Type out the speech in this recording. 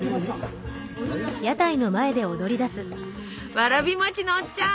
わらび餅のおっちゃん！